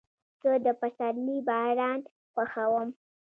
زه د پسرلي باران خوښوم.